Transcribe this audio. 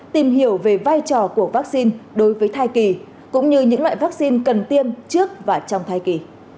tìm hiểu về vai trò của vaccine đối với thai kỳ cũng như những loại vaccine cần tiêm trước và trong thai kỳ